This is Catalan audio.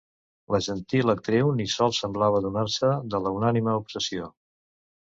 La gentil actriu ni sols semblava adonar-se de la unànime obsessió.